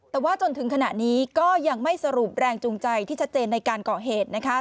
แต่ว่าจนถึงขณะนี้ก็ยังไม่สรุปแรงจูงใจที่ชัดเจนในการก่อเหตุนะคะ